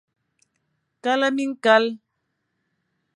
Kala miñkal.